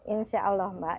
insya allah mbak